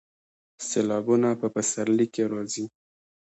سیلابونه په پسرلي کې راځي